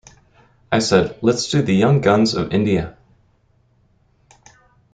I said, "let's do "The Young Guns of India".